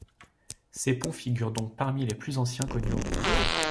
Ces ponts figurent donc parmi les plus anciens connus au monde.